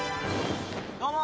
どうも。